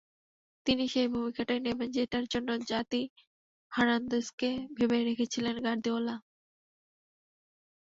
তিনি সেই ভূমিকাটাই নেবেন, যেটার জন্য জাভি হার্নান্দেজকে ভেবে রেখেছিলেন গার্দিওলা।